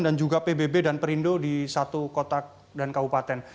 dan juga pbb dan perindo di satu kota kau paten